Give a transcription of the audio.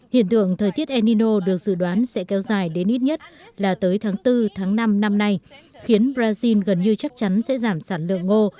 hiện tượng thời tiết enino được dự đoán sẽ kéo dài đến ít nhất là tới tháng bốn tháng năm năm nay khiến brazil gần như chắc chắn sẽ giảm sản lượng ngô